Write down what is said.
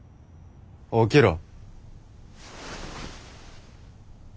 起きろ。